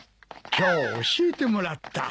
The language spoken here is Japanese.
今日教えてもらった。